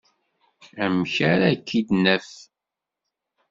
Amek ara k-id-naf?